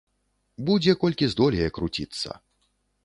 Будзе колькі здолее круціцца.